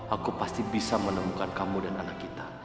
aku pasti bisa menemukan kamu dan anak kita